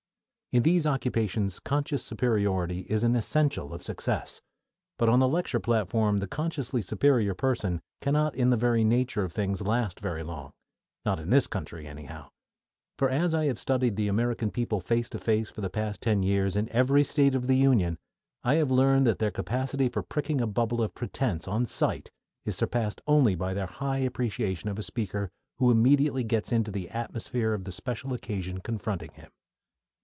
In these occupations conscious superiority is an essential of success; but on the lecture platform the consciously superior person cannot in the very nature of things last very long: not in this country, anyhow; for, as I have studied the American people face to face for the past ten years in every State of the Union, I have learned that their capacity for pricking a bubble of pretense on sight is surpassed only by their high appreciation of a speaker who immediately gets into the atmosphere of the special occasion confronting him.